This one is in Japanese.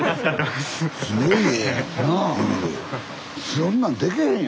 そんなんでけへんよ。